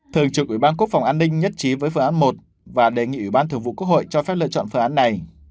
thường trực ủy ban quốc phòng an ninh nhất trí với phương án một và đề nghị ủy ban thường vụ quốc hội cho phép lựa chọn phương án này